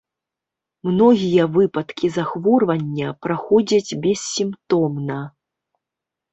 Многія выпадкі захворвання праходзяць бессімптомна.